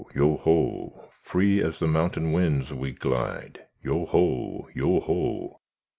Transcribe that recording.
yoho! Free as the mountain winds we glide, Yoho! yoho!